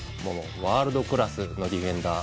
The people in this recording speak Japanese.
ワールドクラスのディフェンダー。